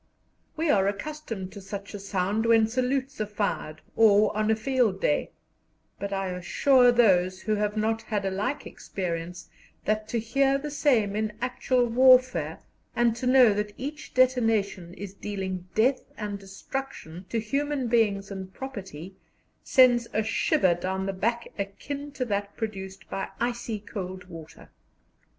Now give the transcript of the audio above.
We are accustomed to such a sound when salutes are fired or on a field day, but I assure those who have not had a like experience, that to hear the same in actual warfare, and to know that each detonation is dealing death and destruction to human beings and property, sends a shiver down the back akin to that produced by icy cold water.